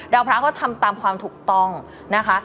พระก็ทำตามความถูกต้องนะคะ